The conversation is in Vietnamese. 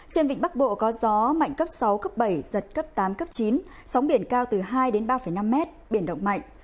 trên vịnh bắc bộ có gió mạnh cấp sáu cấp bảy giật cấp tám cấp chín sóng biển cao từ hai đến ba năm mét biển động mạnh